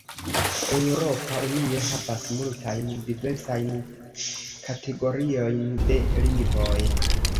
Eŭropa Unio havas multajn diversajn kategoriojn de lingvoj.